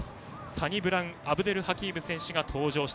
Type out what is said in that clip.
サニブラウン・アブデルハキーム選手が登場。